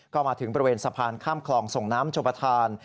ก็มาถึงบริเวณสะพานข้ามคลองส่งน้ำชมประธาน